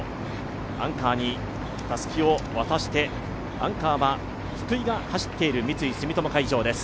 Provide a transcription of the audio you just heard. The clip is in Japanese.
アンカーにたすきを渡して、アンカーは福居が走っている三井住友海上です。